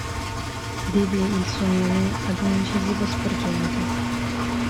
Deve il suo nome ad un incisivo sporgente.